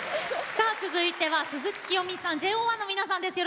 さあ続いては鈴木聖美さんＪＯ１の皆さんです。